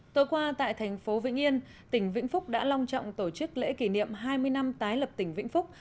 tối qua tại thành phố vĩnh yên tỉnh vĩnh phúc đã long trọng tổ chức lễ kỷ niệm hai mươi năm tái lập tỉnh vĩnh phúc